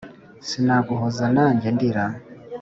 sinaguhoza na njye ndira